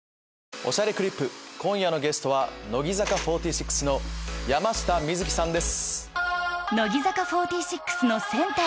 『おしゃれクリップ』今夜のゲストは乃木坂４６の山下美月さんです。